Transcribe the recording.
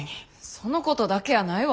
そのことだけやないわ。